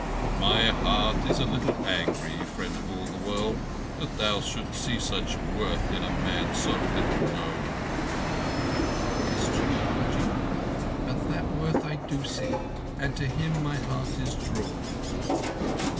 My heart is a little angry, Friend of all the World, that thou shouldst see such worth in a man so little known." "It is true, Hajji; but that worth do I see, and to him my heart is drawn."